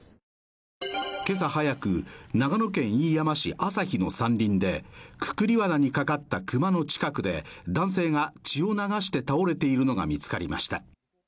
今朝早く、長野県飯山市旭の山林でくくりわなにかかった熊の近くで男性が血を流して倒れているのが見つかりました。